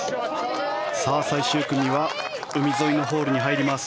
最終組は海沿いのホールに入ります。